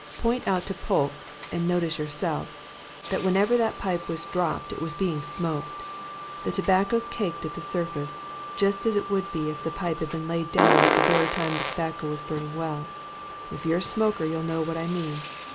Point out to Polke, and notice yourself that whenever that pipe was dropped it was being smoked! The tobacco's caked at the surface just as it would be if the pipe had been laid down at the very time the tobacco was burning well if you're a smoker you'll know what I mean.